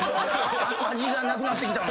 味がなくなってきた。